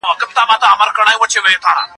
په کور کي ناسم کارونه نه ترسره کېږي.